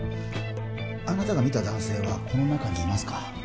あなたが見た男性はこの中にいますか？